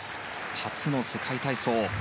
初の世界体操。